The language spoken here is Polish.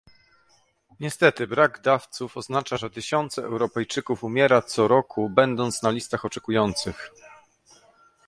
Niestety, brak dawców oznacza, że tysiące Europejczyków umiera co roku będąc na listach oczekujących